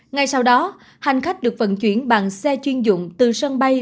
ngay sau đó hành khách được vận chuyển bằng xe chuyên dụng từ sân bay